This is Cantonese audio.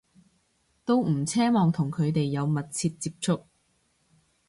都唔奢望同佢哋有密切接觸